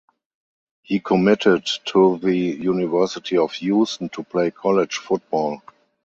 He committed to the University of Houston to play college football.